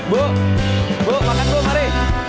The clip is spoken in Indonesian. bu bu makan bu mari